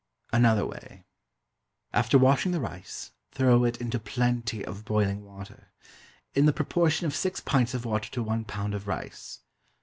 Another way: After washing the rice, throw it into plenty of boiling water in the proportion of six pints of water to one pound of rice.